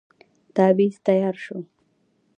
تاويذ تیار شو.